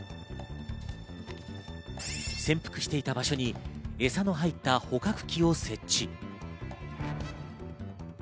潜伏していた場所にエサの入った捕獲器を設置。